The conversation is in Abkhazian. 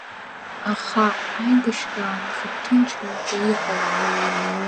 Аха, аибашьраан закә ҭынчроузеи иҟало?!